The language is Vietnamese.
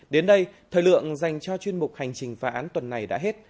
đến đây thời lượng dành cho chuyên mục hành trình phá án tuần này đã hết